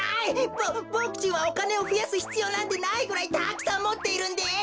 ボボクちんはおかねをふやすひつようなんてないぐらいたくさんもっているんです！